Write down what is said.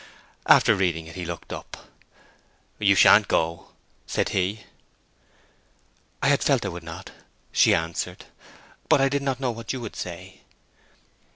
After reading it he looked up. "You sha'n't go," said he. "I had felt I would not," she answered. "But I did not know what you would say."